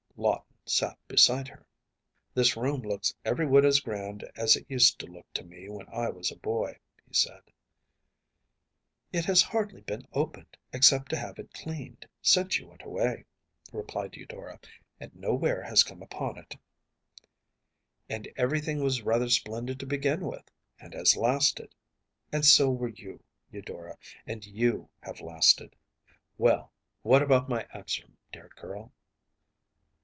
Lawton sat beside her. “This room looks every whit as grand as it used to look to me when I was a boy,‚ÄĚ he said. “It has hardly been opened, except to have it cleaned, since you went away,‚ÄĚ replied Eudora, “and no wear has come upon it.‚ÄĚ “And everything was rather splendid to begin with, and has lasted. And so were you, Eudora, and you have lasted. Well, what about my answer, dear girl?